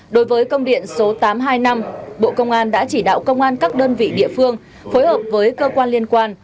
đối với công điện số tám trăm hai mươi năm bộ công an đã chỉ đạo công an các đơn vị địa phương phối hợp với cơ quan liên quan